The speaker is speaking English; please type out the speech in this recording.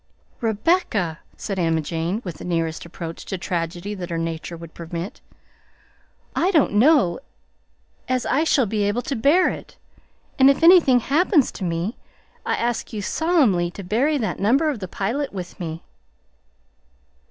"Rebecca," said Emma Jane, with the nearest approach to tragedy that her nature would permit, "I don't know as I shall be able to bear it, and if anything happens to me, I ask you solemnly to bury that number of The Pilot with me."